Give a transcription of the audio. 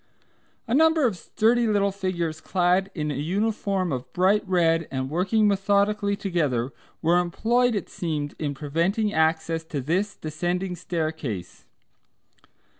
A number of sturdy little figures clad in a uniform of bright red, and working methodically together, were employed it seemed in preventing access to this descending staircase.